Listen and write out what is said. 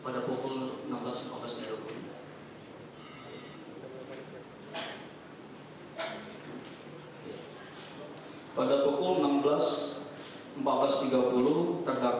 dan tadi yang start jadi